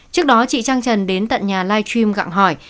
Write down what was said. trước đó chị trang trần đến tận nhà live stream gặng hỏi